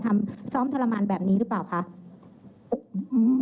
หลังจากที่เกิดเหตุอย่างนี้ค่ะ